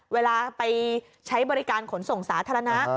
เวลาไปใช้บริการขนส่งสาธารณะ